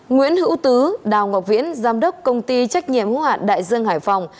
nguyễn hữu tứ đào ngọc viễn giám đốc công ty trách nhiệm hỗ hản đại dân hải phòng